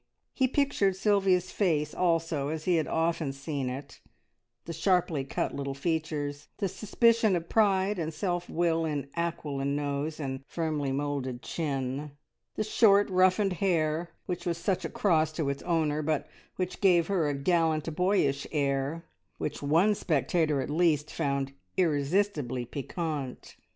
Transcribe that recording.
He pictured Sylvia's face also as he had often seen it the sharply cut little features, the suspicion of pride and self will in aquiline nose and firmly moulded chin, the short, roughened hair, which was such a cross to its owner, but which gave her a gallant, boyish air, which one spectator at least found irresistibly piquant.